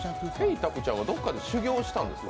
たくちゃんはどこかで修行したんですか？